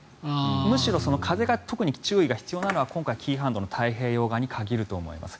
むしろ風が特に注意が必要なのは今回、紀伊半島の太平洋側に限ると思います。